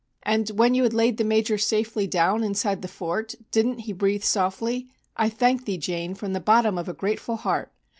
And when you had laid the Major safely down inside the Fort, didn't he breathe softly, 'I thank thee Jane from the bottom of a grateful heart.